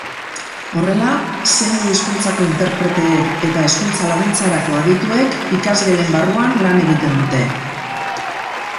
Horrela, zeinu-hizkuntzako interpreteek eta hezkuntza-laguntzarako adituek ikasgelen barruan lan egiten dute.